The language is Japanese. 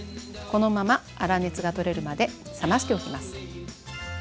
このまま粗熱が取れるまで冷ましておきます。